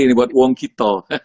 ini buat uang kita